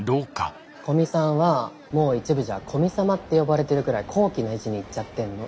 古見さんはもう一部じゃ「古見様」って呼ばれてるくらい高貴な位置にいっちゃってんの。